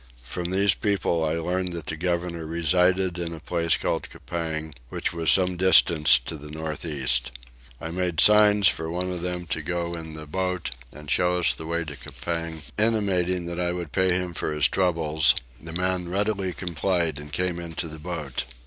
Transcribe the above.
From these people I learned that the governor resided at a place called Coupang which was some distance to the north east. I made signs for one of them to go in the boat and show us the way to Coupang, intimating that I would pay him for his trouble: the man readily complied and came into the boat.